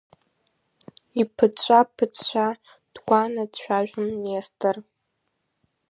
Иԥыҵәҵәа-ԥыҵәҵәа, дгәааны дцәажәон Нестор.